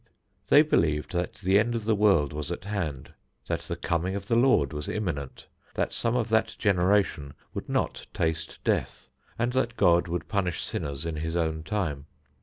They believed that the end of the world was at hand; that the coming of the Lord was imminent; that some of that generation would not taste death, and that God would punish sinners in his own time.